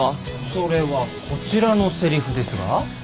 それはこちらのせりふですが？